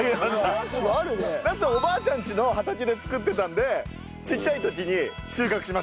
ナスおばあちゃんちの畑で作ってたんでちっちゃい時に収穫しました。